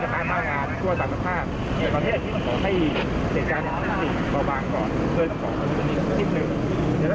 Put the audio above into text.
คือว่าสัมบูรณ์ของพี่เป็นสัมบูรณ์ของพี่หลัง